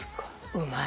うまい。